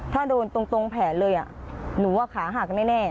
ถ้าโดนตรงแผลเลยหนูว่าขาหักแน่